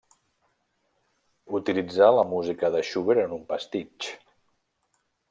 Utilitzà la música de Schubert en un pastitx.